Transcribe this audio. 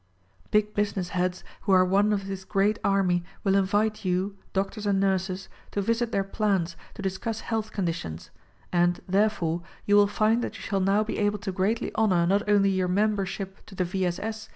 Big business heads who are one of this great army will invite you, doctors and nurses, to visit their plants to discuss health conditions ; and, therefore, you will find that you shall now be able to greatly honor not only your mem bership to the V. S. S.